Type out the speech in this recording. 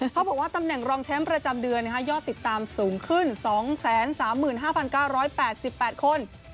เขาบอกว่าตำแหน่งรองแชมป์ประจำเดือนยอดติดตามสูงขึ้น๒๓๕๙๘๘คน